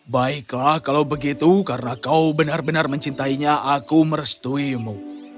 baiklah kalau begitu karena kau benar benar mencintainya aku merestuimu